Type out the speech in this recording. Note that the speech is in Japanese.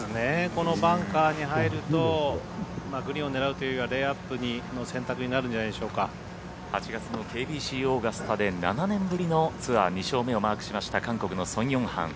このバンカーに入るとグリーンを狙うというよりはレイアップの選択に８月のＫＢＣオーガスタで７年ぶりのツアー２勝目をマークしました韓国のソン・ヨンハン。